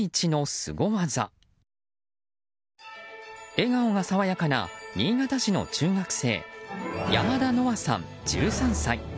笑顔が爽やかな新潟市の中学生山田希羽さん、１３歳。